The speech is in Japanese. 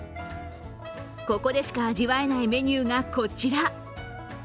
ここでしか味わえないメニューがこちら。